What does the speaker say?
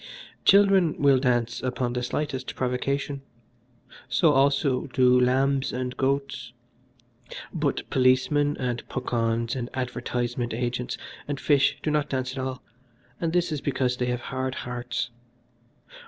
"Children will dance upon the slightest provocation, so also do lambs and goats; but policemen, and puckauns, and advertisement agents, and fish do not dance at all, and this is because they have hard hearts.